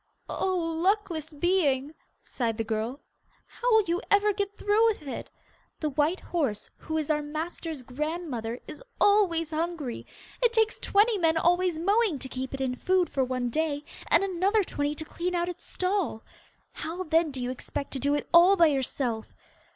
'Oh, luckless being!' sighed the girl; 'how will you ever get through with it. The white horse, who is our master's grandmother, is always hungry: it takes twenty men always mowing to keep it in food for one day, and another twenty to clean out its stall. How, then, do you expect to do it all by yourself?